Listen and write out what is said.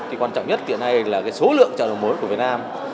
thì quan trọng nhất hiện nay là cái số lượng chợ đầu mối của việt nam